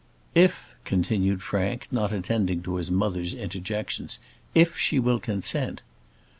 "If," continued Frank, not attending to his mother's interjections, "if she will consent."